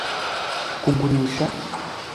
kugurisha